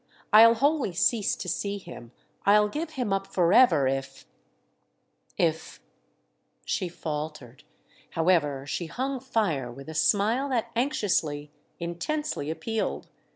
I'll wholly cease to see him, I'll give him up forever, if—if—!" She faltered, however, she hung fire with a smile that anxiously, intensely appealed.